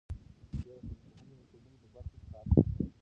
زه د ټولنپوهنې د څیړنې په برخه کې کار کوم.